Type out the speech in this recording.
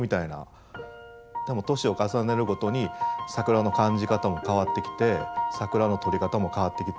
でも年を重ねるごとに桜の感じ方も変わってきて桜の撮り方も変わってきて。